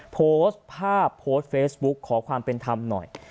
โพสต์ภาพโพสต์เฟซบุ๊กขอความเป็นธรรมหน่อย